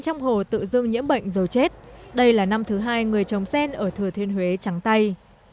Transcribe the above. trong hồ tự dưng nhiễm bệnh dầu chết đây là năm thứ hai người trồng sen ở thừa thiên huế trắng tay